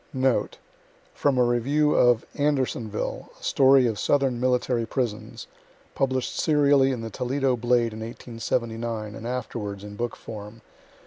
Note: From a review of "ANDERSONVILLE, A STORY OF SOUTHERN MILTTARY PRISONS," published serially in the Toledo "Blade" in 1879, and afterwards in book form.